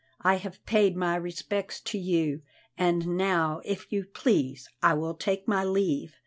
I have paid my respects to you, and now, if you please, I will take my leave.